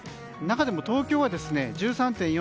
中でも東京は１３．４度。